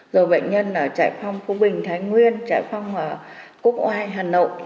rồi bệnh nhân ở trại phong phú bình thái nguyên trại phong cúc oai hà nội